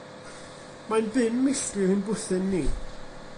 Mae'n bum milltir i'n bwthyn ni.